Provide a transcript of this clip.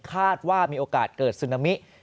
คาดว่ามีโอกาสเกิดซึนามิ